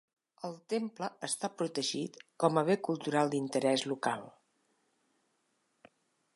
El temple està protegit com a bé cultural d'interès local.